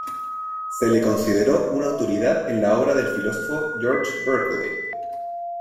Se le consideró una autoridad en la obra del filósofo George Berkeley.